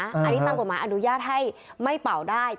อันนี้ตามกฎหมายอนุญาตให้ไม่เป่าได้